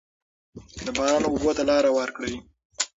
د باران اوبو ته لاره ورکړئ.